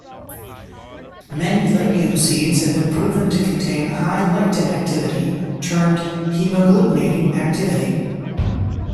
Many legume seeds have been proven to contain high lectin activity, termed hemagglutinating activity.